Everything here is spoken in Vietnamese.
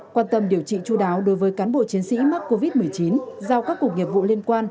quan tâm điều trị chú đáo đối với cán bộ chiến sĩ mắc covid một mươi chín giao các cục nghiệp vụ liên quan